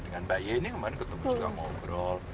dengan mbak ye ini kemarin ketemu juga ngobrol